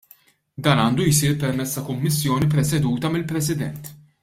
Dan għandu jsir permezz ta' kummisjoni preseduta mill-President.